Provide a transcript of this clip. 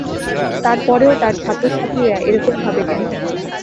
তার পরেও তাঁর ছাত্রছাত্রীরা এরকম ভাবে কেন?